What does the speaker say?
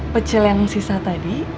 pecil yang sisa tadi